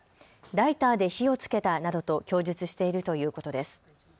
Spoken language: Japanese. ライターで火をつけたなどと供述しているということです。